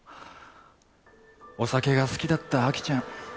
お酒が好きだった亜紀ちゃん。